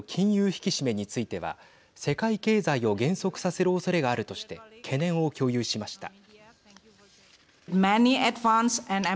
引き締めについては世界経済を減速させるおそれがあるとして懸念を共有しました。